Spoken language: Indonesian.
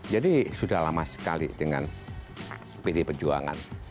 jadi sudah lama sekali dengan pdi pejuangan